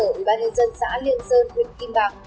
ủy ban nhân dân xã liên sơn huyện kim bạc